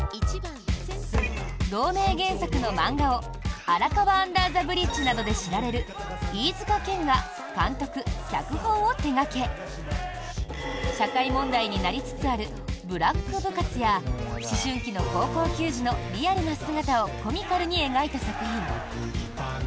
同名原作の漫画を「荒川アンダーザブリッジ」などで知られる飯塚健が監督・脚本を手掛け社会問題になりつつあるブラック部活や思春期の高校球児のリアルな姿をコミカルに描いた作品。